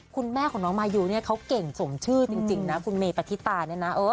คุณแม่ของน้องมายูเนี่ยเขาเก่งสมชื่อจริงนะคุณเมปฏิตาเนี่ยนะ